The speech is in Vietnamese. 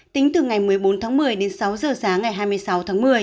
tính từ ngày một mươi bốn tháng một mươi đến sáu giờ sáng ngày hai mươi sáu tháng một mươi